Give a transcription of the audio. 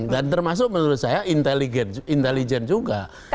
dan termasuk menurut saya intelligent juga